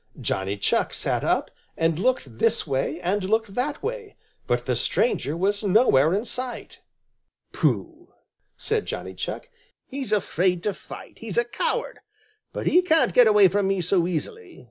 Johnny Chuck sat up and looked this way and looked that way, but the stranger was nowhere in sight. "Pooh!" said Johnny Chuck, "He's afraid to fight! He's a coward. But he can't get away from me so easily.